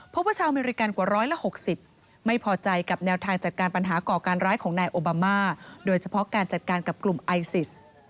เพราะว่าชาวอเมริกันกว่า๑๖๐ไม่พอใจกับแนวทางจัดการปัญหาก่อการร้ายของนายโอบามาโดยเฉพาะการจัดการกับกลุ่มไอซิส